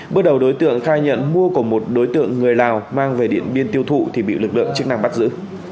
bước đầu đối tượng khai nhận mua của một đối tượng người lào mang về điện biên tiêu thụ thì bị lực lượng chức năng bắt giữ